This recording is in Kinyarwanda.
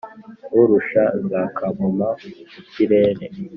urusha za kagoma mu kirere;